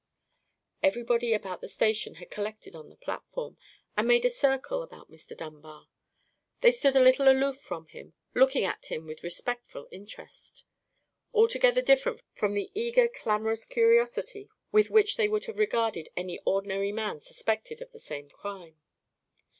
Everybody about the station had collected on the platform, and made a circle about Mr. Dunbar. They stood a little aloof from him, looking at him with respectful interest: altogether different from the eager clamorous curiosity with which they would have regarded any ordinary man suspected of the same crime.